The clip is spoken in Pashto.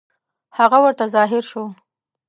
هغه ورته حاضر شو.